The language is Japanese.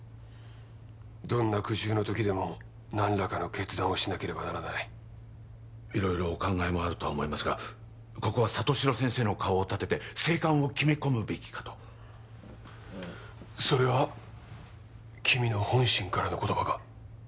どんな苦渋の時でも何らかの決断をしなければならない色々お考えもあるとは思いますがここは里城先生の顔を立てて静観を決め込むべきかとそれは君の本心からの言葉か？